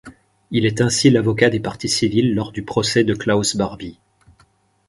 Il est ainsi l'avocat des parties civiles lors du procès de Klaus Barbie.